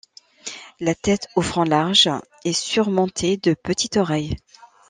La tête, au front large, est surmontée de petites oreilles.